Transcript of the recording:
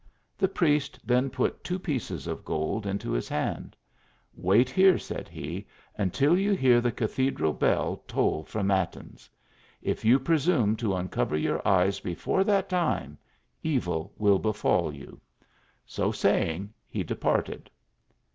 The priest then put two pieces of gold into his hand. """""Vv ait here," said he, " until you hear the cathedral bell toll for matins. If you presume to uncover your eyes before that time, evil will befall you." So say ing he departed.